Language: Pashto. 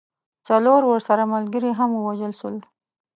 څلور ورسره ملګري هم ووژل سول.